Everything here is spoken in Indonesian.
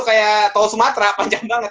kayak tol sumatera panjang banget